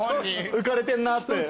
浮かれてんなって。